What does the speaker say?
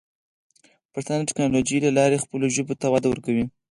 پښتانه د ټیکنالوجۍ له لارې خپلو ژبو ته وده ورکوي.